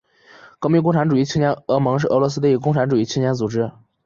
革命共产主义青年联盟是俄罗斯的一个共产主义青年组织。